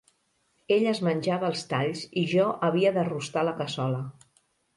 Ell es menjava els talls i jo havia de rostar la cassola.